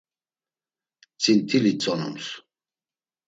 Tzint̆ili tzonums.